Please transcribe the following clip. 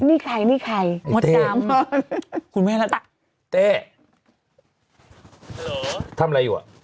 นี่ใครนี่ใครมดดำคุณไม่ให้ละแต่เจ๊ฮัลโหลทำอะไรอยู่อ่ะ